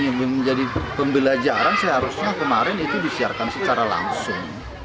yang menjadi pembelajaran seharusnya kemarin itu disiarkan secara langsung